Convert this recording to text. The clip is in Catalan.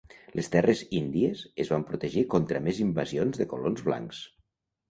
Les terres índies es van protegir contra més invasions de colons blancs.